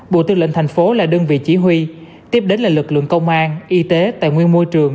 bộ tư lệnh thành phố là đơn vị chỉ huy tiếp đến là lực lượng công an y tế tài nguyên môi trường